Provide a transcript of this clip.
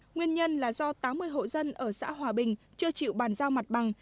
nguyên nhân là do tám mươi hộ dân ở xã hòa bình chưa chịu bàn giao mặt bằng